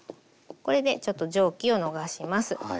これでちょっと蒸気を逃します。